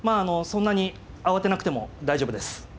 そんなに慌てなくても大丈夫です。